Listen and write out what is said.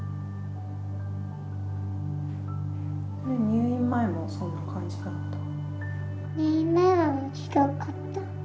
入院前もそんな感じだった？